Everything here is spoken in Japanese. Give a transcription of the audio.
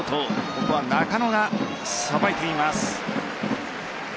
ここは中野がさばいています。